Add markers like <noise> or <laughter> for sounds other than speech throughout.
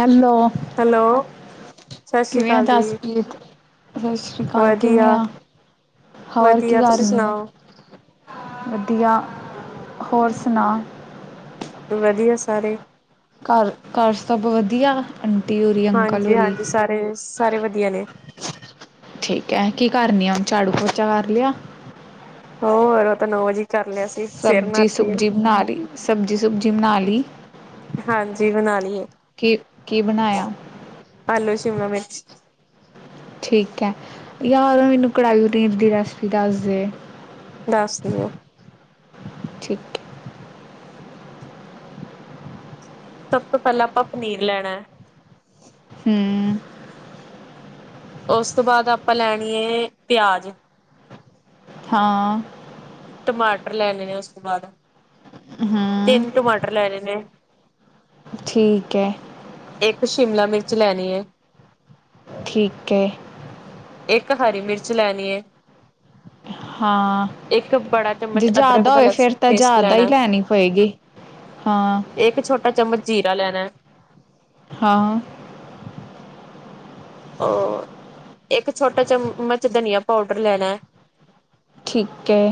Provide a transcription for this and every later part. Hello, hello ਸਤਿ ਸ੍ਰੀ ਕਿਵੇਂ ਆ ਅਕਾਲ ਜੀ ਦਾਸਪ੍ਰੀਤ, ਸਸ ਸ਼੍ਰੀ ਕਾਲ ਵਧੀਆ ਕਿਵੇਂ ਆ ਹੋਰ ਕੀ ਵਧੀਆ ਕਰ ਤੁਸੀਂ ਰੀ ਏਂ। ਸੁਣਾਓ ਵਧੀਆ, ਹੋਰ ਸੁਣਾ ਵਦੀਆ ਸਾਰੇ। ਘਰ-ਘਰ ਸਭ ਵਦੀਆ। ਅਂਟੀ ਹੋਰੀ ਅੰਕਲ ਹੋਰੀ ਹਾਂਜੀ-ਹਾਂਜੀ ਸਾਰੇ, ਸਾਰੇ ਵਦੀਆ ਨੇ। ਠੀਕ ਐ ਕੀ ਕਰਨੀ ਓ ਝਾੜੂ-ਪੋਚਾ ਕਰ ਲੇਆ। ਹੋਰ ਓਹ ਤਾਂ ਨੌ ਵਜੇ ਕਰ ਲਿਆ ਸੀ ਸਿਰ ਸਬਜ਼ੀ ਨਹਾਤੀ ਆ ਸੁਬਜੀ ਬਣਾ ਲਈ ਸਬਜ਼ੀ ਸੁਬਜੀ ਬਣਾ ਲਈ। ਹਾਂਜੀ ਬਣਾ ਲਈਏ, ਕੀ ਕੀ ਬਣਾਇਆ ਆਲੂ, ਸ਼ਿਮਲਾ ਮਿਰਚ ਠੀਕ ਐ, ਯਾਰ ਮੈਨੂੰ ਕੜਾਹੀ ਪਨੀਰ ਦੀ ਰੈਸਪੀ ਦੱਸ ਦੇ। ਦੱਸ ਦੀਆਂ। ਠੀਕ ਸਭ ਤੋਂ ਪੈਹਲਾਂ ਆਪਾਂ ਪਨੀਰ ਲੈਣੈ। ਹੂਂ। ਉਸ ਤੋਂ ਬਾਦ ਆਪਾਂ ਲੈਣੀ ਏ ਪਿਆਜ਼। ਹਾਂ। ਟਮਾਟਰ ਲੈਣੇ ਨੇ ਉਸ ਤੋਂ ਬਾਦ ਹਮ ਤਿੰਨ ਟਮਾਟਰ ਲੈਣੇ ਨੇ। ਠੀਕ ਹੈ। ਇੱਕ, ਸ਼ਿਮਲਾ ਮਿਰਚ ਲੈਣੀ ਹੈ। ਠੀਕ ਹੈ। ਇੱਕ, ਹਰੀ ਮਿਰਚ ਲੈਣੀ ਏ। ਹਾਂ। ਇੱਕ ਬੜਾ ਜੇ ਚਮਚ ਅਦਰਕ ਜ਼ਿਆਦਾ ਦਾ ਹੋਵੇ, ਲਸ ਫਿਰ ਤਾਂ ਪੇਸਟ ਜ਼ਿਆਦਾ ਹੀ ਲੈਣਾ ਲੈਣੀ ਪਏਗੀ, ਹਾਂ। ਇੱਕ ਛੋਟਾ ਚਮਚ ਜੀਰਾ ਲੈਣਾ। ਹਾਂ, ਹਾਂ। ਉਹ ਇੱਕ ਛੋਟਾ ਚਮਚ, ਧਨੀਆ ਪਾਊਡਰ ਲੈਣਾ ਹੈ। ਠੀਕ ਹੈ।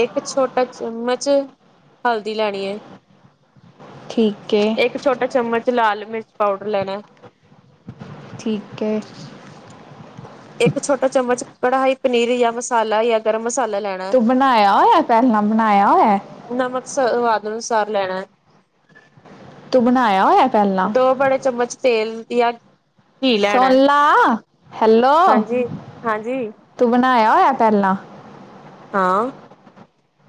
ਇੱਕ ਛੋਟਾ ਚਮਚ, ਹਲਦੀ ਲੈਣੀ ਹੈ। ਠੀਕ ਹੈ। ਇੱਕ ਛੋਟਾ ਚਮਚ, ਲਾਲ ਮਿਰਚ ਪਾਊਡਰ ਲੈਣਾ। ਠੀਕ ਹੈ। ਇੱਕ ਛੋਟਾ ਚਮਚ, ਕੜਾਹੀ ਪਨੀਰ ਜਾਂ ਮਸਾਲਾ, ਜਾਂ ਗਰਮ ਮਸਾਲਾ ਲੈਣਾ। ਹੈ, ਤੂੰ ਬਣਾਇਆ ਹੋਇਆ ਪਹਿਲਾਂ, ਬਣਾਇਆ ਹੋਇਆ? ਨਮਕ ਸਵਾਦ ਅਨੁਸਾਰ ਲੈਣਾ। ਤੂੰ ਬਣਾਇਆ ਹੋਇਆ ਪਹਿਲਾਂ ਦੋ ਬੜੇ ਚਮਚ ਤੇਲ ਜਾਂ ਘੀ ਲੈਣਾ, ਹੈ। ਸੋਣਲਾ, ਹੈਲੋ, ਹਾਂਜੀ ਹਾਂਜੀ ਤੂੰ ਬਣਾਇਆ ਹੋਇਆ ਪਹਿਲਾਂ? ਹਾਂ।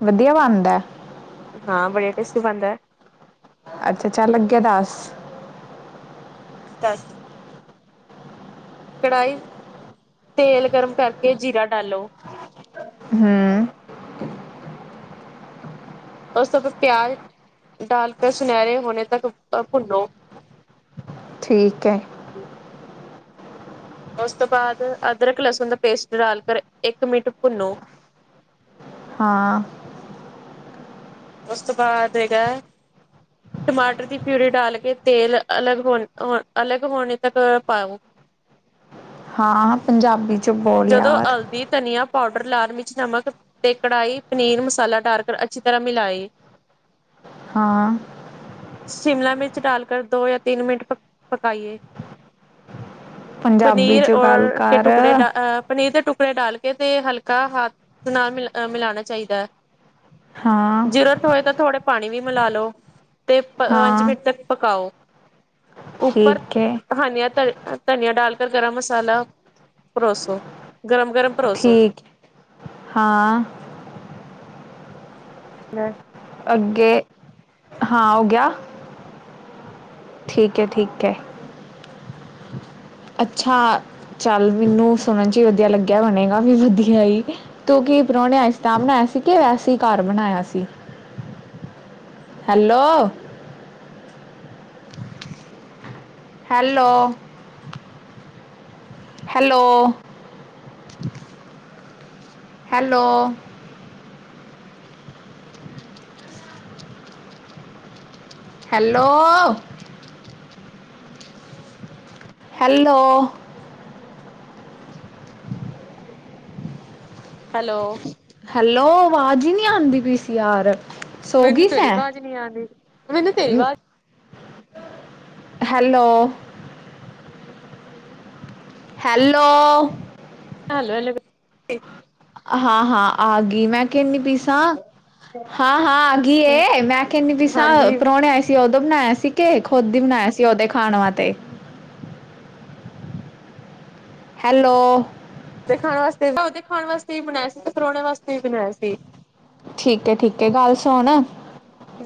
ਵਧੀਆ ਬਣਦਾ? ਹਾਂ, ਬੜੀ ਟੇਸਟੀ ਬਣਦਾ। ਅੱਛਾ, ਚੱਲ ਅੱਗੇ ਦਸ? ਦਸ? ਕੜਾਹੀ 'ਚ, ਤੇਲ ਗਰਮ ਕਰਕੇ ਜੀਰਾ ਡਾਲੋ ਹਮ। ਉਸ ਤੋਂ ਬਾਅਦ, ਪਿਆਜ਼ ਡਾਲ ਕਰ ਸੁਨਹਿਰੇ ਹੋਣੇ ਤੱਕ ਭੁੰਨੋ ਠੀਕ ਹੈ। ਉਸ ਤੋਂ ਬਾਅਦ, ਅਦਰਕ-ਲਸਣ ਦਾ ਪੇਸਟ ਡਾਲ ਕਰ ਇੱਕ ਮਿੰਟ ਭੁੰਨੋ। ਹਾਂ। ਉਸ ਤੋਂ ਬਾਅਦ ਹੈਗਾ ਟਮਾਟਰ ਦੀ ਪਿਊਰੀ ਡਾਲ ਕੇ ਤੇਲ ਅਲੱਗ ਹੋ, ਅਲੱਗ ਹੋਣੇ ਤੱਕ ਪਾਓ। ਹਾਂ, ਪੰਜਾਬੀ 'ਚੋਂ ਬੋਲ ਯਾਰ। ਦੀ ਧਨੀਆ ਪਾਊਡਰ ਲਾਲ ਮਿਰਚ, ਨਮਕ ਤੇ ਕੜਾਹੀ ਪਨੀਰ ਮਸਾਲਾ ਡਾਰ ਕਰ, ਅੱਛੀ ਤਰ੍ਹਾਂ ਮਿਲਾਏ। ਹਾਂ। ਸ਼ਿਮਲਾ ਮਿਰਚ ਡਾਲ ਕਰ, ਦੋ ਜਾਂ ਤਿੰਨ ਮਿੰਟ ਪਕਾਈਏ ਪੰਜਾਬੀ ਪਨੀਰ 'ਚ ਗੱਲ ਔਰ ਕੇ ਕਰ ਟੁਕੜੇ ਡਾਲ ਅ ਪਨੀਰ ਦੇ ਟੁਕੜੇ ਡਾਲ ਕੇ ਤੇ, ਹਲਕਾ ਹੱਥ ਨਾ ਮਿਲ ਮਿਲਾਣਾ ਚਾਹੀਦਾ ਹੈ। ਹਾਂ ਜ਼ਰੂਰਤ ਹੋਏ, ਤਾਂ ਥੋੜੇ ਪਾਣੀ ਵੀ ਮਿਲਾ ਲੋ। ਤੇ ਪੰਜ ਹਾਂ ਮਿੰਟ ਤੱਕ ਪਕਾਓ। ਉੱਪਰ ਠੀਕ ਹੈ ਹਰਿਆ ਧਨੀਆ ਡਾਲ ਕਰ ਗਰਮ ਮਸਾਲਾ, ਪਰੋਸੋ ਗਰਮ- ਗਰਮ ਪਰੋਸੋ। ਹਾਂ। ਹਮ। ਅੱਗੇ, ਹਾਂ ਹੋ ਗਿਆ, ਠੀਕ ਹੈ ਠੀਕ ਹੈ। ਅੱਛਾ ਚੱਲ ਮੈਨੂੰ ਸੁਣਨ ਚ ਹੀ ਵਧੀਆ ਲੱਗਿਆ, ਬਣੇਗਾ ਵੀ ਵਧੀਆ ਈ। ਤੂੰ ਕਿ ਪਰੌਣੇ ਆਏ ਸੀ ਤਾਂ ਬਣਾਇਆ ਸੀ, ਕਿ ਵੈਸੇ ਹੀ ਘਰ ਬਣਾਇਆ ਸੀ? Hello hello? Hello? Hello hello hello hello hello ਅਵਾਜ਼ ਹੀ ਨਹੀਂ ਆਉਂਦੀ ਪਈ ਸੀ ਯਾਰ। ਸੋ ਗਈ ਮੈਨੂੰ ਤੇਰੀ ਸੈਂ ਆਵਾਜ਼ ਨੀ ਆਂਦੀ, ਮੈਨੂੰ ਤੇਰੀ ਆਵਾਜ਼ ਹੈਲੋ ਹੈਲੋ ਹੈਲੋ ਹੈਲੋ ਹਾਂ ਹਾਂ ਆ ਗਈ ਮੈਂ ਕਹਨੀ ਪਈ ਸਾਂ, ਹੈਲੋ ਹਾਂ ਹਾਂ ਆਗੀ ਏ, ਮੈਂ ਕਹਨੀ ਪਈ ਸਾਂ ਹਾਂਜੀ ਪਰੌਣੇ ਆਏ ਸੀ ਉਦੋਂ ਬਣਾਇਆ ਸੀ, ਕਿ ਖੁਦ ਹੀ ਬਣਾਇਆ ਸੀ ਉਹਦੇ ਖਾਣ ਵਾਤੇ ਹੈਲੋ ਔਦੇ ਖਾਣ ਵਾਸਤੇ ਉਹਦੇ ਖਾਣ ਵਾਸਤੇ ਵੀ ਬਣਾਇਆ ਸੀ, ਤੇ ਪਰੋਣੇ ਵਾਸਤੇ ਵੀ ਬਣਾਏ ਸੀ ਠੀਕ ਹੈ ਠੀਕ ਹੈ ਗੱਲ ਸੁਣ,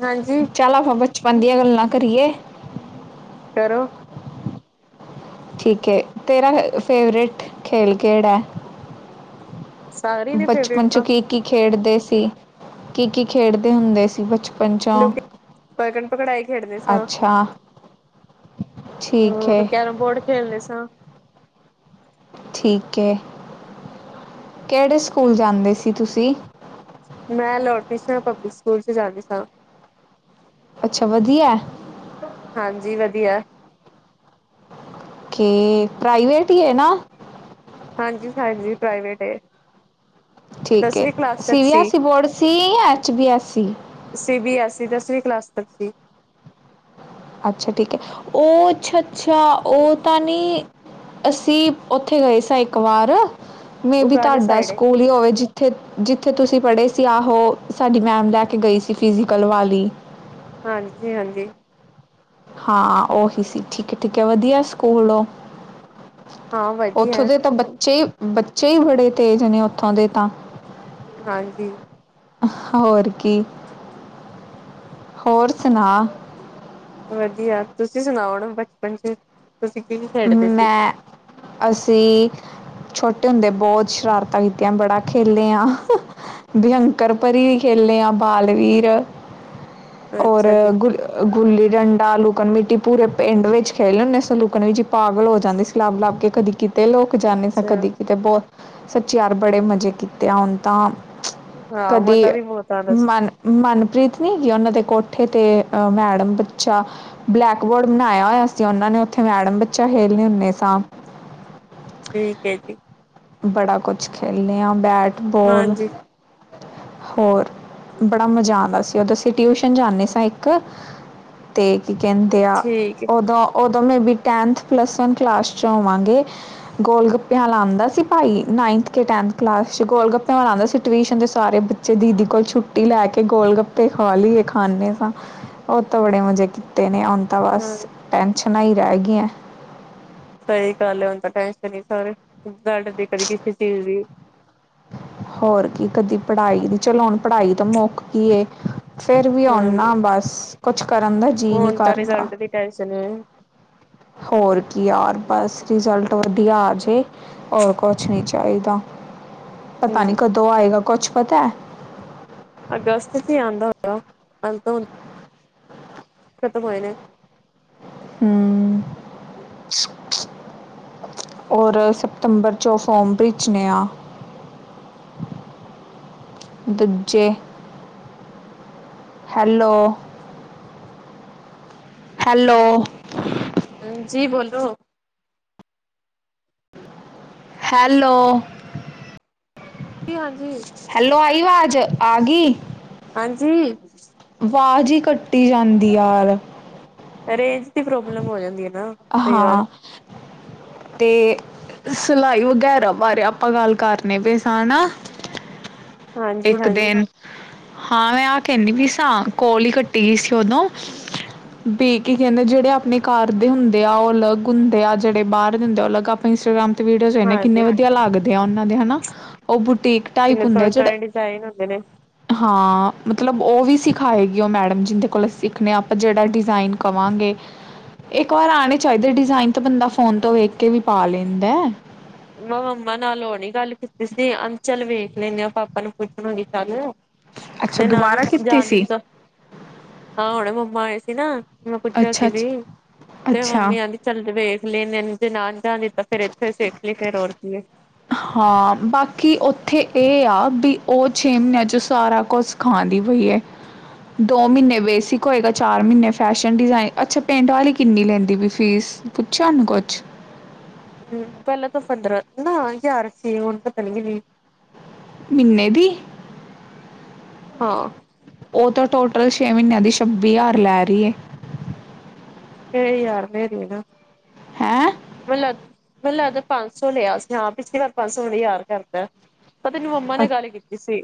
ਹਾਂਜੀ ਚੱਲ ਬ ਕੁਛ ਮਨ ਦੀਆਂ ਗੱਲਾਂ ਕਰਿਏ ਕਰੋ ਠੀਕ ਹੈ ਤੇਰਾ ਫੇਵਰੇਟ ਖੇਲ ਕਿਹੜਾ ਹੈ ਸਾਰੀ ਨੇ ਫੇਵਰੇਟ ਬਚਪਨ ਚ ਤਾਂ ਕੀ ਕੀ ਖੇਡਦੇ ਸੀ, ਕੀ ਕੀ ਖੇਡਦੇ ਹੁੰਦੇ ਸੀ ਬਚਪਨ ਪੰਜਾਂ ਲੁੱ ਪਕੜ ਪਕੜਾਈ ਖੇਡਦੇ ਸਾਂ ਅੱਛਾ ਠੀਕ ਹੂ ਤੇ ਏ ਕੈਰਮ ਬੋਰਡ ਖੇਲਦੇ ਸਾਂ ਠੀਕ ਹੈ, ਕਿਹੜੇ ਸਕੂਲ ਜਾਂਦੇ ਸੀ ਤੁਸੀਂ ਮੈਂ ਲੌਰਡ ਕ੍ਰਿਸ਼ਨਾ ਪਬਲਿਕ ਸਕੂਲ 'ਚ ਜਾਂਦੀ ਸਾਂ! ਅੱਛਾ ਵਧੀਆ ਹਾਂਜੀ ਵਧੀਆ ਠੀਕ, ਪ੍ਰਾਈਵੇਟ ਹੀ ਹੈ ਨਾ ਹਾਂਜੀ ਹਾਂਜੀ ਪ੍ਰਾਈਵੇਟ ਏ ਠੀਕ ਹੈ, ਦਸਵੀਂ ਕਲਾਸ ਸੀ ਤੱਕ ਬੀ ਐੱਸ ਈ ਬੋਰਡ ਸੀ, ਜਾਂ H B S C C B S E ਦਸਵੀਂ ਕਲਾਸ ਤੱਕ ਸੀ ਅੱਛਾ ਠੀਕ ਹੈ, ਉਹ ਅੱਛਾ ਅੱਛਾ ਉਹ ਤਾਂ ਨਹੀਂ ਅਸੀਂ ਉੱਥੇ ਗਏ ਸਾਂ ਇੱਕ ਵਾਰ, ਮੇਬੀ ਉਗਾਲੇ ਤੁਹਾਡਾ ਸਾਈਡ ਏ ਸਕੂਲ ਹੀ ਹੋਵੇ ਜ ਉਥੇ ਜਿੱਥੇ ਤੁਸੀਂ ਪੜ੍ਹੇ ਸੀ ਆਹੋ, ਸਾਡੀ ਮੈਡਮ ਲੈ ਕੇ ਗਈ ਸੀ ਫਿਜ਼ੀਕਲ ਵਾਲੀ ਹਾਂਜੀ ਹਾਂਜੀ ਹਾਂ ਉਹੀ ਸੀ, ਠੀਕ ਹੈ ਠੀਕ ਹੈ ਵਧੀਆ ਸਕੂਲੋਂ, ਹਾਂ ਉੱਥੋਂ ਵਧੀਆ ਦੇ ਤਾਂ ਬਚੇ ਬੱਚੇ ਬੱਚੇ ਹੀ ਬੜੇ ਤੇਜ਼ ਨੇ ਉੱਥੋਂ ਦੇ ਤਾਂ ਹਾਂਜੀ ਹੋਰ ਕੀ ਹੋਰ ਸੁਣਾ ਵਧੀਆ ਤੁਸੀਂ ਸੁਣਾਓ ਹੁਨ ਬਚਪਨ ਚ ਤੁਸੀਂ ਕੀ ਖੇਡਦੇ ਸੀ ਮੈਂ ਅਸੀਂ ਛੋਟੇ ਹੁੰਦੇ ਬਹੁਤ ਸ਼ਰਾਰਤਾਂ ਕੀਤੀਆਂ ਬੜਾ ਖੇਲੇ ਆ ਭਯੰਕਰ ਪਰੀ ਵੀ ਖੇਲੇ ਆ ਬਾਲਵੀਰ ਔਰ ਅੱਛਾ ਜੀ ਗੁਲ ਗੁੱਲੀ ਡੰਡਾ ਲੁਕਣ ਮੀਟੀ ਪੂਰੇ ਪਿੰਡ ਵਿੱਚ ਖੇ ਲੇ ਹਦੇ ਅਂਸ ਲੂਕਣ ਵਿੱਚ ਪਾਗਲ ਹੋ ਜਾਂਦੇ ਸੀ ਲਭ ਲਭ ਕੇ ਕਦੀ ਕਿਤੇ ਲੋਕ ਜਾਂਦੇ ਸਾਂ ਚਲੋ ਕਦੀ ਕਿਤੇ ਬਹੁਤ ਸੱਚੀ ਯਾਰ ਬੜੇ ਮਜ਼ੇ ਕੀਤੇ ਆ ਹੁਣ ਤਾਂ ਹਾਂ ਕਦੀ ਮਜ਼ਾ ਵੀ ਬਹੁਤ ਆਂਦਾ ਸੀ ਮਨ ਮਨਪ੍ਰੀਤ ਨਹੀਂ ਹੈਗੀ ਉਹਨਾਂ ਦੇ ਕੋਠੇ ਤੇ ਮੈਡਮ ਬੱਚਾ ਬਲੈਕ ਬੋਰਡ ਬਣਾਇਆ ਹੋਇਆ ਸੀ ਉਹਨਾਂ ਨੇ ਉੱਥੇ ਮੈਡਮ ਬੱਚਾ ਖੇਲਣੇ ਹੁੰਦੇ ਸਾਂ ਠੀਕ ਏ ਜੀ ਬੜਾ ਕੁਛ ਖੇਲੇ ਆ ਬੈਟਬੋਲ ਹਾਂਜੀ ਹੋਰ ਬੜਾ ਮਜ਼ਾ ਆਉਂਦਾ ਸੀ ਉਦੋਂ ਅਸੀਂ ਟਿਊਸ਼ਨ ਜਾਂਦੇ ਸਾਂ ਇੱਕ ਤੇ ਕੀ ਕਹਿੰਦੇ ਆ ਠੀਕ ਏ। ਉਦੋਂ ਉਦੋਂ maybe tenth plus one class ਚ ਹੋਵਾਂਗੇ ਗੋਲ ਗੱਪਿਆਂ ਵਾਲਾ ਲਾਉਂਦਾ ਸੀ ਭਾਈ ਨਾਈਨਥ ਕੇ ਟੈਨਥ ਕਲਾਸ ਚ ਗੋਲ ਗੱਪਿਆਂ ਵਾਲਾ ਆਉਂਦਾ ਸੀ ਟਿਊਸ਼ਨ ਤੇ ਸਾਰੇ ਬੱਚੇ ਦੀਦੀ ਕੋਲ ਛੁੱਟੀ ਲੈ ਕੇ ਗੋਲ ਗੱਪੇ ਖਾ ਲਈਏ ਖਾਂਨੇ ਤਾਂ ਉਹ ਤਾਂ ਬੜੇ ਮਜੇ ਕੀਤੇ ਨੇ ਹੁਣ ਤਾਂ ਬਸ ਹਾਂ ਟੈਨਸ਼ਨਾਂ ਈ ਰਹਿ ਗਈਆਂ। ਸਹੀ ਗੱਲ ਹੈ ਹੁਣ ਤਾਂ ਟੈਨਸ਼ਨ ਈ ਬੜੀ ਕਦੀ ਰਿਜਲਟ ਦੀ ਕਦੀ ਕਿਸੇ ਚੀਜ਼ ਦੀ ਹੋਰ ਕੀ ਕਦੀ ਪੜ੍ਹਾਈ ਦੀ ਚਲੋ ਹੁਣ ਪੜ੍ਹਾਈ ਤਾਂ ਮੁੱਕ ਗਈ ਏ ਫੇਰ ਵੀ ਹੁਨ ਹਾਂਜੀ ਨਾ ਬਸ ਕੁਛ ਕਰਨ ਦਾ ਜੀਅ ਨਹੀਂ ਹੁਣ ਤਾਂ ਕਰਦਾ ਰਿਜ਼ਲਟ ਦੀ ਟੇਂਸ਼ਨ ਏ ਹੋਰ ਕੀ ਯਾਰ ਬਸ ਰਿਜ਼ਲਟ ਵਧੀਆ ਆ ਜੇ ਹੋਰ ਕੁਛ ਨਈ ਚਾਹੀਦਾ। ਪਤਾ ਨੀ ਹਮ ਕਦੋਂ ਆਏਗਾ ਕੁੱਛ ਪਤਾ ਹੈ? ਅਗਸਤ ਚ ਹੀ ਆਉਂਦਾ ਹੁੰਦਾ ਹੁਣ ਤਾਂ ਖਤਮ ਹੋਏ ਨੇ ਹੂੰ ਔਰ ਸਤੰਬਰ ਚੋਂ ਫੋਮ ਭੇਜਣੇ ਆ ਦੂਜੇ ਹੈਲੋ ਹੈਲੋ ਹਾਂਜੀ ਬੋਲੋ ਹੈਲੋ ਜੀ ਹਾਂਜੀ ਹੈਲੋ ਆਈ ਵਾਜ ਆ ਗਈ ਹਾਂਜੀ ਵਾਜ ਈ ਕੱਟੀ ਜਾਂਦੀ ਯਾਰ ਰੇਂਜ ਦੀ ਪ੍ਰੋਬਲਮ ਹੋ ਜਾਂਦੀ ਹੈ ਨਾ ਕਈ ਵਾਰ ਹਾਂ ਤੇ ਸਿਲਾਈ ਵਗੈਰਾ ਬਾਰੇ ਆਪਾਂ ਗੱਲ ਕਰਨੇ ਪਏ ਸਾਂ ਨਾ ਹਾਂਜੀ ਇੱਕ ਹਾਂਜੀ ਦਿਨ ਹਾਂ ਮੈਂ ਆਹ ਕਹਿੰਦੀ ਪਈ ਸਾ ਕੋਲ ਹੀ ਕੱਟੀ ਗਈ ਸੀ ਉਦੋਂ ਬੀ ਕੀ ਕਹਿੰਦੇ ਜਿਹੜੇ ਆਪਣੇ ਘਰ ਦੇ ਹੁੰਦੇ ਆ ਉਹ ਅਲਗ ਹੁੰਦੇ ਆ ਜਿਹੜੇ ਬਾਹਰ ਹੁੰਦੇ ਉਹ ਅਲਗ ਆਪਾਂ ਇੰਸਟਗ੍ਰਾਮ ਤੇ ਵੀਡੀਓਜ਼ ਵਿੰਹਦੇ ਕਿਨੇ ਹਾਂਜੀ ਵਧੀਆ ਲੱਗਦੇ ਦੇ ਉਹਨਾਂ ਦੇ ਹਨਾ ਉਹ ਬੁਟੀਕ ਟਾਈਪ ਕਿੰਨੇ ਹੁੰਦੇ ਆ ਸੋਹਣੇ ਜਿਹੜੇ ਸੋਹਣੇ ਡਿਜ਼ਾਇਨ ਹੁੰਦੇ ਨੇ ਹਾਂ ਮਤਲਬ ਉਹ ਵੀ ਸਿਖਾਏਗੀ ਉਹ ਮੈਡਮ ਜਿਦੇ ਕੋਲ ਸਿੱਖਣੇ ਆਪਾਂ ਜਿਹੜਾ ਡਿਜ਼ਾਇਨ ਕਵਾਂਗੇ ਇੱਕ ਵਾਰ, ਆਉਣੇ ਚਾਹੀਦੇ ਡਿਜ਼ਾਇਨ ਤੇ ਬੰਦਾ, ਫੋਨ ਤੋਂ ਵੇਖ ਕੇ ਵੀ ਪਾ ਲੈਂਦਾ। ਮੈਂ ਮੰਮਾ ਨਾਲ, ਹੋਨੇ ਗੱਲ ਕੀਤੀ ਸੀ। ਅਨਚੱਲ ਵੇਖ ਲੈਂਨਆ, ਪਾਪਾ ਨੂੰ ਪੁੱਛਣਈ ਚੱਲ। ਅੱਛਾ ਤੇ ਨਾ ਦੀ ਦੁਬਾਰਾ ਕੀਤੀ ਜਾ ਸੀ ਦਿੱਤਾ, ਹਾਂ ਹੁਣੇ ਮੰਮਾ ਆ ਸੀ ਨਾ। <unintelligible> ਮੈਂ ਪੁੱਛਿਆ ਅੱਛਾ ਸੀ ਅੱਛ ਵੀ, ਤੇ ਅੱਛਾ ਮੰਮੀ ਆਦੀ ਚੱਲ ਵੇਖ ਲਏ, ਨ ਜਾਣ ਦੀ ਤਾਂ ਫੇਰ ਇੱਥੇ ਸੇਖ ਲਈ, ਫਰ ਔ <unintelligible> ਰ ਕੀਏ। ਹਾਂ, ਬਾਕੀ ਉੱਥੇ ਇਹ ਆ ਵੀ, ਉਹ ਛੇ ਮਹੀਨਿਆਂ 'ਚ ਸਾਰਾ ਕੁਛ ਸਿਖਾਂਦੀ ਪਈ ਹੈ। ਦੋ ਮਹੀਨੇ ਬੇਸਿਕ ਹੋਏਗਾ, ਚਾਰ ਮਹੀਨੇ ਫੈਸ਼ਨ ਡਿਜ਼ਾਇਨ। ਅੱਛਾ, ਪਿੰਡ ਵਾਲੀ ਕਿੰਨੀ ਲੈਂਦੀ ਵੀ ਫੀਸ? ਪੁੱਛਾਿਆ, ਉਨੂੰ ਕੁਛ? ਹਮ, ਪਹਿਲਾਂ ਤਾਂ ਪੰਦਰਾਂ ਨਾ ਹਜ਼ਾਰ ਸੀ, ਹੁਣ ਪਤਾ ਨੀ ਕਿੰਨ ਮਿੰਨੇ ਦੀ? ਹਾਂ। ਉਹ ਤਾਂ ਟੋਟਲ, ਛੇ ਮਹੀਨਿਆਂ ਦੀ ਛੱਬੀ ਹਜ਼ਾਰ ਲੈ ਰਹੀ। ਹਜਾਰ ਰੂਪਏ ਯਾਰ, ਰੁਪਏ ਦੇਣਾ। ਹੈਂ ਮੈਨੂੰ ਲੱਗਦਾ ਪੰਜ ਸੌ ਲਿਆ ਸੀ, ਹਾਂ ਪਿਛਲੀ ਵਾਰ ਪੰਜ ਸੌ, ਹੁਣ ਹਜਾਰ ਕਰਤਾ। ਪਤਾ ਨੀ, ਮੰਮਾ ਨੇ ਅੱ ਗੱਲ ਕੀਤੀ ਸੀ।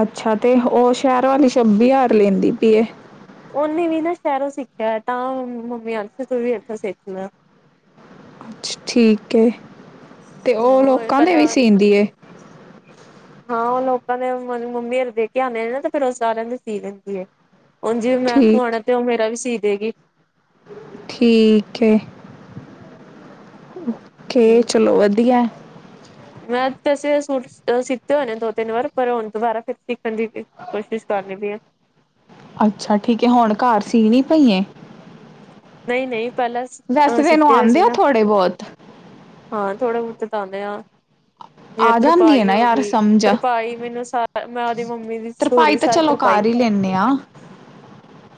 ਅੱਛਾ, ਤੇ ਉਹ ਸ਼ਹਿਰ ਵਾਲੀ ਛੱਬੀ ਹਜ਼ਾਰ ਲੈਂਦੀ ਪੀਏ। ਉਹਨੇ ਵੀ ਨਾ ਸ਼ਹਿਰੋਂ ਸਿੱਖਿਆ, ਤਾਂ ਮੰਮੀ ਅਥੇ ਤੂੰ ਵੀ ਇੱਥੋਂ ਸਿੱਖ ਲੈ। ਅੱਛਾ ਠੀਕ ਏ, ਤੇ ਉਹ ਹਾਂ ਲੋਕਾਂ ਦੇ ਵੀ ਪਹਿਲਾਂ ਸੀਂਦੀ ਏ? ਹਾਂ ਉਹ ਲੋਕਾਂ ਦੇ, ਮਤਲ ਮੰਮੀ ਹਰ ਦੇ ਕੇ ਆਉਂਦੇ ਨੇ ਨਾ, ਤੇ ਫੇਿਰ ਉਹ ਸਾਰਿਆਂ ਦੀ ਸੀ ਲਿੰਦੀ ਹੈ। ਹੁਣ ਜੇ ਮੈਂ ਸਵਾਣਾ, ਠੀਕ ਤੇ ਉਹ ਮੇਰਾ ਵੀ ਸੀ ਦੇਗੀ। ਠੀਕ ਹੈ। ਕਿ, ਚਲੋ ਵਧੀਆ। ਮੈਂ ਤੇ ਸੂਟ ਸਿੱਤੇ ਹੋਣੇ ਦੋ ਤਿੰਨ ਵਾਰ, ਪਰ ਹੋਣ ਦੁਬਾਰਾ ਫਿਰ ਹਾਂਜੀ, ਕੋਸ਼ਿਸ਼ ਕਰਨੀ ਪਈ ਆ। ਅੱਛਾ ਠੀਕ ਐ, ਹੁਣ ਘਰ ਸੀ ਨੀ ਪਈਏ? ਨਹੀਂ ਨਹੀਂ, ਪਹਿਲਾਂ ਵੈਸੇ ਅਹ ਤੈਨੂੰ ਸੀਤੇ ਹੋਏ ਆਉਂਦੇ ਸੀ ਆ ਨਾ ਥੋੜ੍ਹੇ ਬਹੁਤ ਹਾਂ, ਥੋੜਾ ਬਹੁਤੇ ਤਾਂ ਆਉਂਦੇ ਆ, ਜਿਵੇ ਆ ਜਾਂਦੀ ਹੈ ਤਰਪਾਈ ਨਾ ਹੋ ਯਾਰ ਗਈ। ਸਮਝ ਤਰਪਾਈ ਮੈਨੂੰ ਸ, ਮੈਂ ਉਹਦੀ ਮੰਮੀ ਦੀ ਸੂਟ ਤਰਪਾਈ ਦੀ ਤਾਂ ਸਾਰੀ ਚਲੋ ਤਰਪ ਕਰ ਹੀ ਲੈਂਦੇ ਹਾਂ।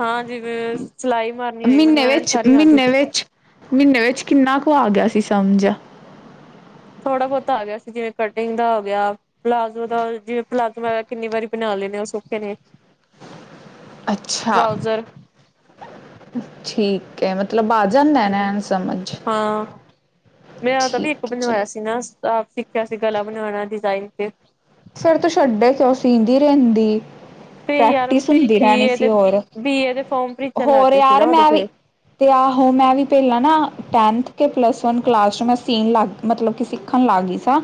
ਹਾਂ, ਜਿਵੇਂ ਸਿਲਾਈ ਮਾਰ ਮਹੀਨੇ ਵਿੱਚ, ਮਹੀਨੇ ਵਿੱਚ, ਮਹੀਨੇ ਵਿੱਚ ਕਿੰਨਾ ਕੁ ਆ ਗਿਆ ਸੀ ਸਮਝ? ਥੋੜ੍ਹਾ ਬਹੁਤਾ ਆ ਗਿਆ ਸੀ, ਜਿਵੇਂ ਕਟਿੰਗ ਦਾ ਹੋ ਗਿਆ। ਪਲਾਜ਼ੋ ਦਾ, ਜਿਵੇਂ ਪਲਾਜੋ਼ ਮੈ ਕਿੰਨੀ ਵਾਰੀ ਬਣਾ ਲੈ ਨੇ, ਉਹ ਸੌਖੇ ਨੇ। ਅੱਛਾ, ਟਰਾਊਜ਼ਰ ਠੀਕ। ਕੇ ਮਤਲਬ ਆ ਜਾਂਦੈ, ਹਮ ਐਂਵੇ ਸਮਝ? ਹਾਂ। ਮੈਂ ਤਾਂ ਵੀ ਇੱਕ ਠੀਕ ਹੈ ਚਲੋ ਬਣਵਾਇਆ ਸੀ ਨਾ, ਆਪ ਸਿੱਖਿਆ ਸੀ ਗਲਾ ਬਣਾਉਣਾ, ਡਿਜ਼ਾਇਨ ਤੇ। ਫਿਰ ਤੂੰ ਛੱਡੇ ਕਿਉਂ, ਸੀਂਦੀ ਰਹਿੰਦੀ। ਤੇ ਯਾਰ ਪ੍ਰੈਕਟਿਸ ਹੁੰਦੀ ਬੀ ਰਹਿਣੀ ਏ ਸੀ ਦੇ ਹੋਰ, ਬੀ ਏ ਦੇ ਫੋਰਮ ਭਰੀ ਚੱਲਣ ਲੱਗ ਹੋਰ ਗਏ ਸੀ ਯਾਰ ਨਾ ਉਦੋਂ ਮੈਂ ਵੀ ਫੇਰ ਤੇ ਆਹੋ ਮੈਂ ਵੀ ਪਹਿਲਾਂ ਨਾ, ਟੈਨਥ ਕੇ ਪਲੱਸ ਵਨ ਕਲਾਸ 'ਚ, ਮੈਂ ਸੀਨ ਲੱਗ ਮਤਲਬ ਕਿ ਸਿੱਖਣ ਲੱਗ ਗਈ ਸਾਂ।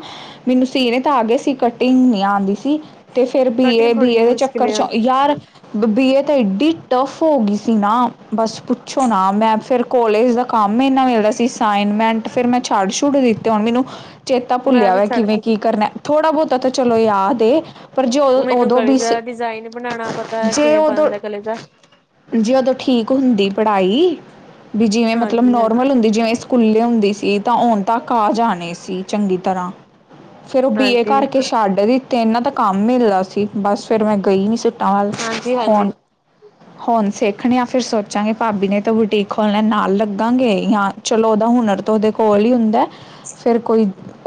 ਮੈਨੂੰ ਸੀਨੇ ਤਾਂ ਆ ਗਏ ਸੀ ਕ ਕਟਿੰਗ ਨੀ ਆਉਂਦੀ ਸੀ, ਤੇ ਫਿਰ ਬੀ ਕਟਿੰਗ ਥੋੜੀ ਏ-ਬੀ ਜਿਹੀ ਏ ਦੇ ਮੁਸ਼ਕਿਲ ਚੱਕਰ 'ਚ ਆ ਯਾਰ ਬ ਬੀ ਏ ਤਾਂ ਏਡੀ ਟਫ ਹੋ ਗਈ ਸੀ ਨਾ, ਬਸ ਪੁੱਛੋ ਨਾ, ਮੈਂ ਫਿਰ ਕੋਲੇਜ ਦਾ ਕੰਮ ਇੰਨਾ ਲੈਦਾ ਸੀ ਸਾਈਨਮੈਂਟ ਫਿਰ ਮੈਂ ਛੱਡ ਛੁਡ ਦਿੱਤੇ ਹੁਣ ਮੈਨੂੰ ਚੇਤਾ ਮੈਂ ਭੁੱਲਿਆ ਵੀ ਵੈਐ ਕਿਵੇਂ ਛੱਡਤੀ ਕੀ ਕਰਨਾ ਥੋੜ੍ਹਾ ਬਹੁਤਾ ਤਾਂ ਚਲੋ ਯਾਦ ਏ ਪਰ ਜੋ ਮੈਨੂੰ ਉਦੋਂ ਗਲੇ ਦੀ ਦਾ ਸੀ ਡਿਜ਼ਾਇਨ ਬਣਾਉਣਾ ਪਤਾ ਜੇ ਕਿਵੇਂ ਉਦੋਂ ਓ ਬਣਦਾ ਗਲੇ ਦਾ ਜੇ ਉਦੋਂ ਠੀਕ ਹੁੰਦੀ ਪੜ੍ਹਾਈ ਈ ਜਿਵੇਂ ਮਤਲਬ ਹਾਂਜੀ ਹਾਂਜੀ ਨੋਰਮਲ ਹੁੰਦੀ ਜਿਵੇਂ ਕੁੱਲੇ ਹੁੰਦੀ ਸੀ ਤਾਂ ਉਣ ਤਕ ਆ ਜਾਣੀ ਸੀ ਚੰਗੀ ਤਰ੍ਹਾਂ ਫੇਰ ਉਹ ਬੀ ਏ ਹਾਂਜੀ ਛਾਡੇ ਵੀ ਤੇਨ ਤੇ ਕੰਮ ਹੀਲਾ ਸੀ ਬਸ ਫੇਰ ਮੈਂ ਗਈ ਨਹੀ ਸੀ ਟਾਲ ਹਾਂਜੀ ਹੁਣ ਹੁਣ ਸਿੱਖਣੇ ਆ ਫਿਰ ਸੋਚਾਂਗੇ ਭਾਬੀ ਨੇ ਤੇ ਬੁਟੀਕ ਖੋਲਣਾ ਨਾਲ ਲੱਗਾਂਗੇ ਨਾਲ ਚਲੋ ਉਹਦਾ ਹੁਨਰ ਤਾਂ ਉਹਦੇ ਕੋਲ ਈ ਹੁੰਦਾ ਫੇਰ ਕੋਈ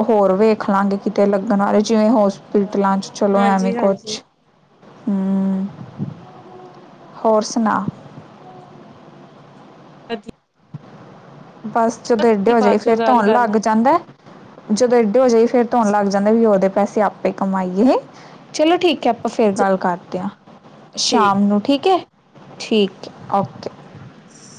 ਹੋਰ ਵੇਖ ਲਾਂਗੇ ਕਿਤੇ ਲੱਗੀ ਈ ਤੇ ਨਾਲੇ ਜਿਵੇਂ ਹੋਸਪਿਟਲਾਂ ਚ ਚਲੋ ਐਂਵੇ ਹਾਂਜੀ ਹਾਂਜੀ ਹਾਂਜੀ ਕੁਛ ਹੂ ਹੋਰ ਸਣਾ ਆ ਅੱਜ ਈ ਬਸ ਜਦੋਂ ਏਡੇ ਹੋ ਜਾਏ ਚੋਂ ਫੇਰ ਤੇ ਗੱਲ ਹੋਣ ਲੱਗ ਕਰਨਾ ਜਾਂਦਾ ਐ ਜਦੋਂ ਏਡੇ ਹੋ ਜਾਏ ਫੇਰ ਤੇ ਹੋਣ ਲੱਗ ਜਾਂਦਾ ਵੀ ਉਹਦੇ ਪੈਸੇ ਆਪੇ ਕਮਾਈਏ ਚਲੋ ਠੀਕ ਹੈ ਆਪਾਂ ਫੇਰ ਗੱਲ ਕਰਦੇ ਆ ਠੀਕ ਸ਼ਾਮ ਨੂੰ ਠੀਕ ਏ ਠੀਕ ਓਕੇ ਹ <inaudible>